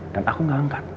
dan aku gak angkat